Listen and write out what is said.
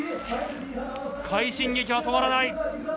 快進撃は止まらない。